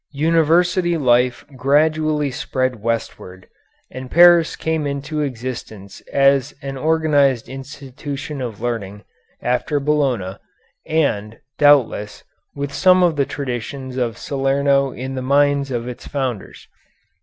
University life gradually spread westward, and Paris came into existence as an organized institution of learning after Bologna, and, doubtless, with some of the traditions of Salerno in the minds of its founders.